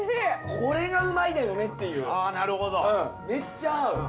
これがうまいんだよねっていうめっちゃ合う。